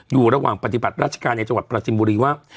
อยู่ระหว่างปฏิบัติราชการในจังหวัดประจิมบุรีว่า